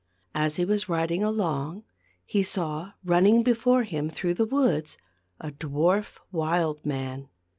As he was riding along he saw running before him through the woods a dwarf wild man.